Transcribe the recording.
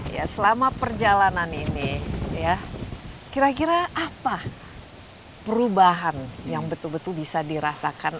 ya selama perjalanan ini ya kira kira apa perubahan yang betul betul bisa dirasakan